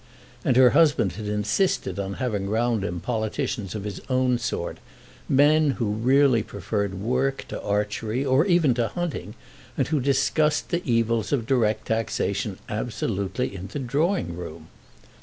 And her husband had insisted upon having round him politicians of his own sort, men who really preferred work to archery, or even to hunting, and who discussed the evils of direct taxation absolutely in the drawing room.